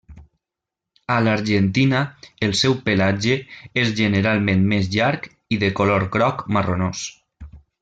A l'Argentina, el seu pelatge és generalment més llarg i de color groc marronós.